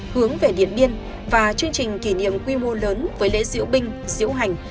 hướng về điện biên và chương trình kỷ niệm quy mô lớn với lễ diễu binh diễu hành